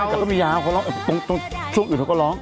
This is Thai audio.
มันก็มียาวตรงชุบอยู่เขาก็ร้อง